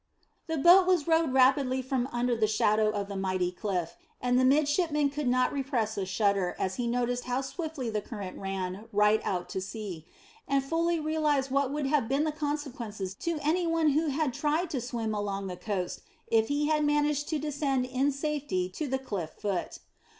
The boat was rowed rapidly from under the shadow of the mighty cliff, and the midshipman could not repress a shudder as he noticed how swiftly the current ran right out to sea, and fully realised what would have been the consequences to any one who had tried to swim along the coast if he had managed to descend in safety to the cliff foot.